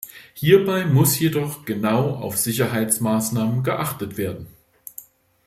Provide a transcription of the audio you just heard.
Hierbei muss jedoch genau auf Sicherheitsmaßnahmen geachtet werden.